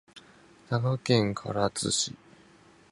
佐賀県唐津市